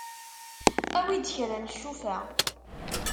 Awi-d kra n ccufa.